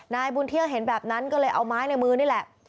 นายบุญเที่ยวเห็นแบบนั้นก็เลยเอาไม้ในมือนี่แหละ